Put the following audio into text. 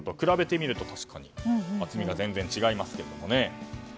比べてみると確かに厚みが全然違いますね。